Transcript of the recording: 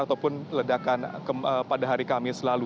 ataupun ledakan pada hari kamis lalu